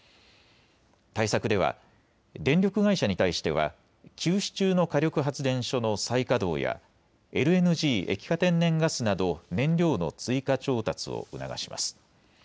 対策では電力会社に対しては休止中の火力発電所の再稼働やＬＮＧ・液化天然ガスなど燃料の追加調達を促します。